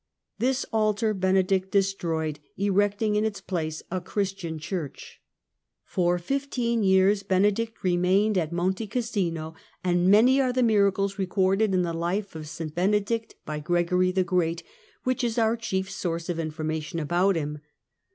This altar Benedict destroyed, erecting in its place a Christian church. For fifteen years Benedict remained at Monte Cassino, and many are the miracles recorded in the life of St. Benedict by Gregory the Great, which is our chief source of information about him.